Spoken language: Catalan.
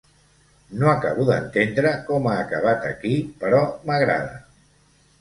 No acabo d'entendre com ha acabat aquí però m'agrada.